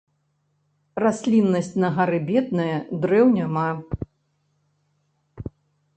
Расліннасць на гары бедная, дрэў няма.